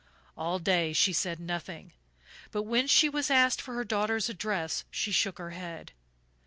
All day she said nothing; but when she was asked for her daughter's address she shook her head.